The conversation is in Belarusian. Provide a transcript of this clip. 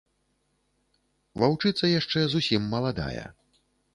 Ваўчыца яшчэ зусім маладая.